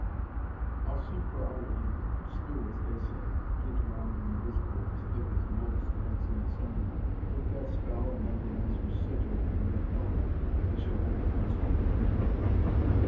I'll seek for other aid Spirits, they say, Flit round invisible, as thick as motes Dance in the sunbeam. If that spell Or necromancer's sigil can compel them, They shall hold council with me.